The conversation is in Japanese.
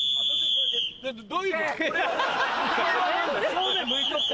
正面向いちゃった。